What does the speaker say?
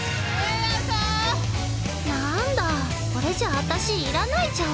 なんだこれじゃ私いらないじゃん。